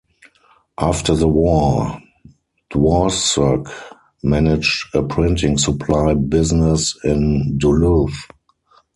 After the war, Dworshak managed a printing supply business in Duluth.